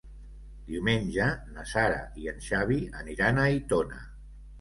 Diumenge na Sara i en Xavi aniran a Aitona.